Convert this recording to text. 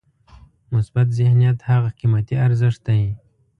مثبت ذهنیت هغه قیمتي ارزښت دی.